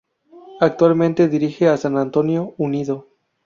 Actualmente dirige a San Antonio Unido.